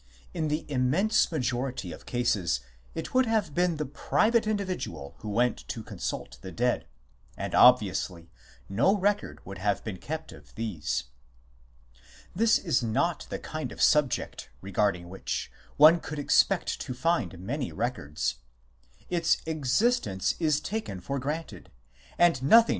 In the immense majority of cases it would have been the private individual who went to consult the dead, and obviously no record would have been kept of these. This is not the kind of subject regard ing which one could expect to find many records ; its existence is taken for granted, and nothing could be more 1 Jeremias, Holle und Paradies bei den Bdbyloniern, p. 20.